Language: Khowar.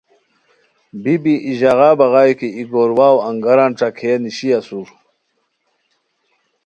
بی بی ای ژاغا بغائے کی ای گور واؤ انگاران ݯاکئے نیشی اسور